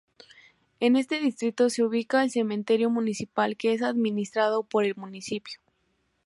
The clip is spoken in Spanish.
En este distrito se ubica el Cementerio Municipal que es administrado por el Municipio.